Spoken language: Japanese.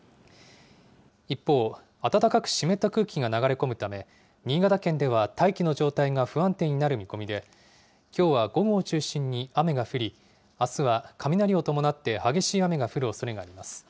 一方、暖かく湿った空気が流れ込むため、新潟県では大気の状態が不安定になる見込みで、きょうは午後を中心に、雨が降り、あすは雷を伴って激しい雨が降るおそれがあります。